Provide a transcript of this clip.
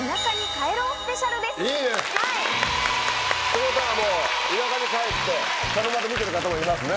いいね！ってことはもう田舎に帰って茶の間で見てる方もいますね。